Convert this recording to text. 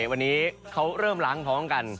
วันนี้เขาเริ่มล้างท้องกัน